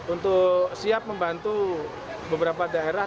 untuk siap membantu beberapa daerah